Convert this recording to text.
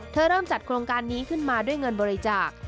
เริ่มจัดโครงการนี้ขึ้นมาด้วยเงินบริจาค